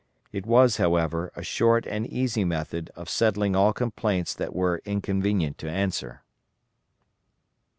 It was, however, a short and easy method of settling all complaints that were inconvenient to answer.